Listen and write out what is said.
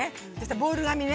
ボール紙ね。